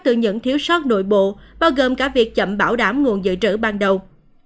từ những thiếu sót nội bộ bao gồm cả việc chậm bảo đảm nguồn dự trữ ban đầu